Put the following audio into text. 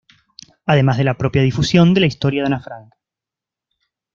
Además de la propia difusión de la historia de Ana Frank.